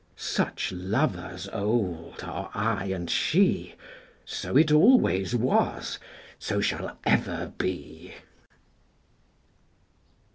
Such lovers old are I and she: 45 So it always was, so shall ever be!